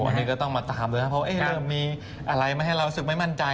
วันนี้ก็ต้องมาตามด้วยนะเพราะเริ่มมีอะไรมาให้เรารู้สึกไม่มั่นใจ